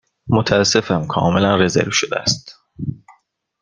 متأسفم، کاملا رزرو شده است.